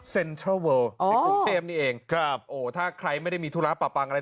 เซ็นเทิลเวิร์ดอ๋อในกรุงเทมนี้เองครับโอ้ถ้าใครไม่ได้มีทุราบประปังอะไร